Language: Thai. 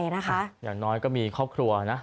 อย่างน้อยก็มีครอบครัวนะ